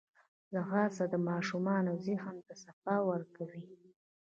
ځغاسته د ماشومانو ذهن ته صفا ورکوي